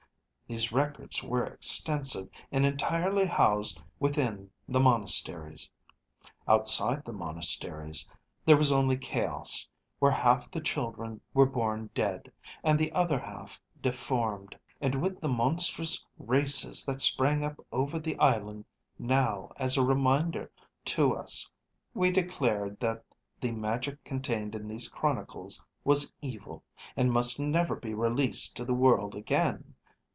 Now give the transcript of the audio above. These records were extensive, and entirely housed within the monasteries. Outside the monasteries, there was only chaos, where half the children were born dead, and the other half deformed. And with the monstrous races that sprang up over the island now as a reminder to us, we declared that the magic contained in these chronicles was evil, and must never be released to the world again.